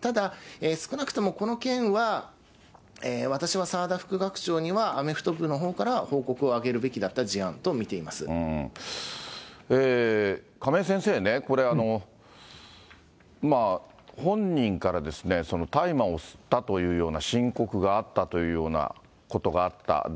ただ、少なくともこの件は、私は澤田副学長にはアメフト部のほうから報告を上げるべきだった亀井先生ね、これ、本人から大麻を吸ったというような申告があったというようなことがあった。